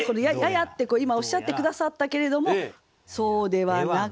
「嬰」って今おっしゃって下さったけれどもそうではなく。